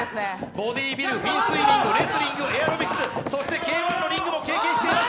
ボディビル、フィンスイミング、エアロビクスそしてＫ−１のリングも経験しています。